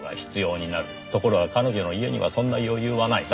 ところが彼女の家にはそんな余裕はない。